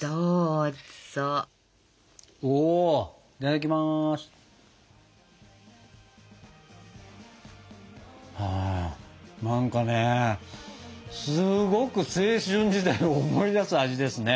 あ何かねすごく青春時代を思い出す味ですね。